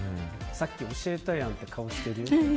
さっき教えたやんって顔してるよ。